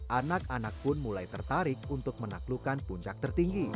anak anak pun mulai tertarik untuk menaklukkan puncak tertinggi